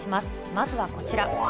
まずはこちら。